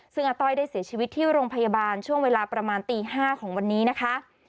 ซึ่งอาต้อยได้เสียชีวิตที่โรงพยาบาลช่วงเวลาประมาณตี๕ของวันนี้นะคะ